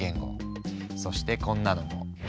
そしてこんなのも。